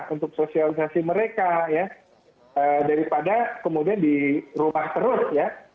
untuk sosialisasi mereka ya daripada kemudian di rumah terus ya